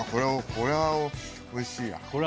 これはおいしい？